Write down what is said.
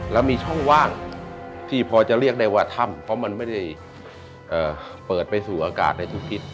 แล้วมีช่องว่างที่พอจะเรียกได้ว่าถ้ำเพราะมันไม่ได้เปิดไปสู่อากาศในทุกทิศ